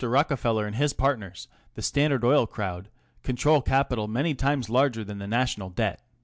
Rockefeller and his partners, the Standard Oil Crowd, control capital many times larger than the national debt.